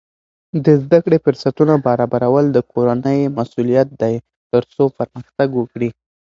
د زده کړې فرصتونه برابرول د کورنۍ مسؤلیت دی ترڅو پرمختګ وکړي.